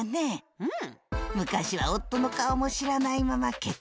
・うん！